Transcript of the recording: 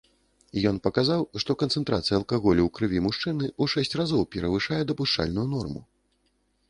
Ён паказаў, што канцэнтрацыя алкаголю ў крыві мужчыны ў шэсць разоў перавышае дапушчальную норму.